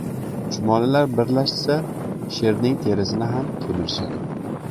• Chumolilar birlashsa, sherning terisini ham kemirishadi.